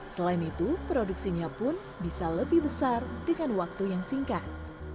selain itu produksinya pun bisa lebih besar dengan waktu yang singkat